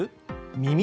耳？